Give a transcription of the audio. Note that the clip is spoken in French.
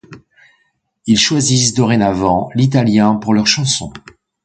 Ils choisissent dorénavant l'italien pour leurs chansons.